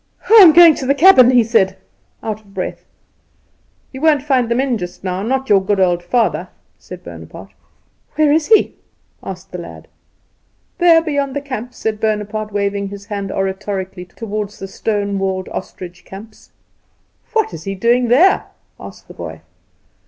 "I am going to the cabin," he said, out of breath. "You won't find them in just now not your good old father," said Bonaparte. "Where is he?" asked the lad. "There, beyond the camps," said Bonaparte, waving his hand oratorically toward the stone walled ostrich camps. "What is he doing there?" asked the boy.